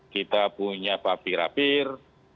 kita punya papirapir